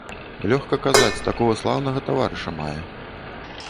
Лёгка казаць, такога слаўнага таварыша мае.